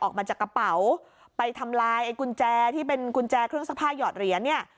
ออกมาจากกระเป๋าไปทำลายไอ้กุญแจที่เป็นกุญแจเครื่องซักผ้าหยอดเหรียญเนี่ย